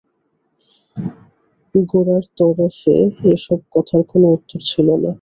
গোরার তরফে এ-সব কথার কোনো উত্তর ছিল না।